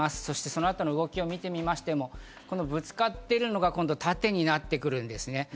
そして、この後の動きを見てもぶつかっているのが今度、縦になってくるんですね。